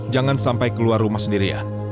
jangan sampai keluar rumah sendirian